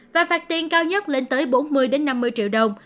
và phạt tiền cao nhất lên tới bốn mươi năm mươi triệu đồng